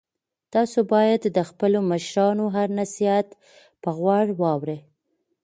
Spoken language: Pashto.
تاسو باید د خپلو مشرانو هر نصیحت په غور واورئ.